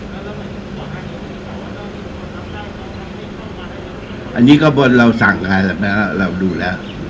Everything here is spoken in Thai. องค์นี้ก็บนเราสั่งค่ะเราดูแล้ว